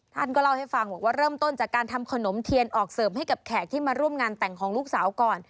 ท่านก็เล่าให้ฟังบอกว่าเริ่มต้นจากการทำขนมเทียนออกเสริมให้กับแขกที่มาร่วมงานแต่งของลูกสาวก่อน